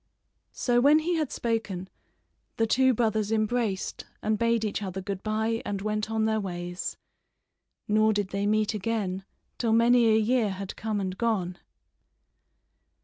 So when he had spoken the two brothers embraced and bade each other good bye and went on their ways; nor did they meet again till many a year had come and gone.